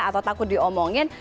atau takut diomongin